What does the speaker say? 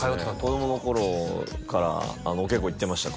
子供の頃からお稽古行ってました